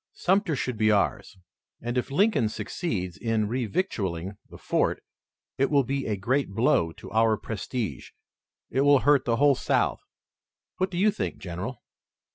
Sumter should be ours, and if Lincoln succeeds in revictualling the fort it will be a great blow to our prestige. It will hurt the whole South. What do you think, General?"